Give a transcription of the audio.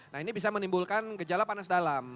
nah ini bisa menimbulkan gejala panas dalam